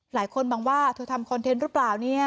บางคนมองว่าเธอทำคอนเทนต์หรือเปล่าเนี่ย